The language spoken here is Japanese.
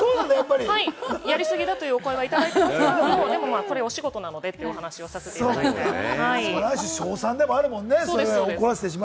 やりすぎだというお声は、いただいてますけれども、これはお仕事でというお話をさせていただいてます。